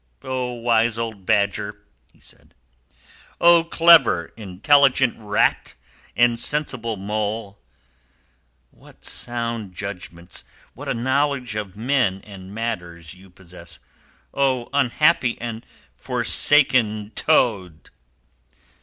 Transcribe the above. O wise old Badger!" (he said), "O clever, intelligent Rat and sensible Mole! What sound judgments, what a knowledge of men and matters you possess! O unhappy and forsaken Toad!"